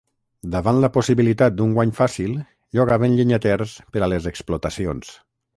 Davant la possibilitat d'un guany fàcil, llogaven llenyaters per a les explotacions.